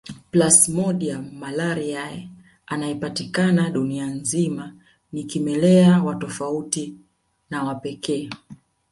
Plasmodium malariae anayepatikana dunia nzima ni kimelea wa tofauti na wa pekee